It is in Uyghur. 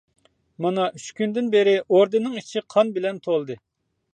مانا ئۈچ كۈندىن بېرى ئوردىنىڭ ئىچى قان بىلەن تولدى.